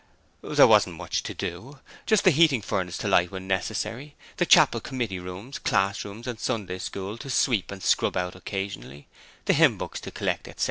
There wasn't much to do: just the heating furnace to light when necessary; the Chapel, committee rooms, classrooms and Sunday School to sweep and scrub out occasionally; the hymn books to collect, etc.